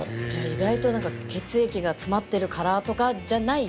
意外と、血液が詰まっているからとかじゃない。